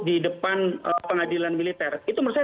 di depan pengadilan militer itu menurut saya